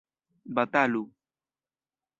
batalu